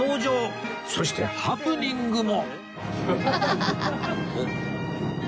そしてハプニングも！